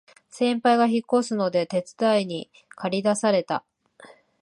先輩が引っ越すので手伝いにかり出された